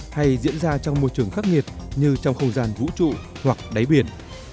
hay diễn ra trong môi trường khắc nghiệt như trong không gian vũ trụ hoặc đáy biển